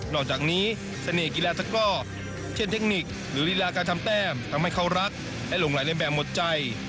อกจากนี้เสน่หกีฬาตะก้อเช่นเทคนิคหรือรีลาการทำแต้มทำให้เขารักและหลงไหลเล่นแบบหมดใจ